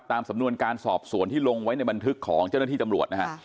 สำนวนการสอบสวนที่ลงไว้ในบันทึกของเจ้าหน้าที่ตำรวจนะฮะ